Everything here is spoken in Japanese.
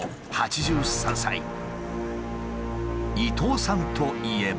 伊東さんといえば。